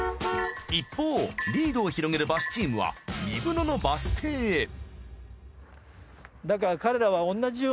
一方リードを広げるバスチームは仁豊野のバス停へ。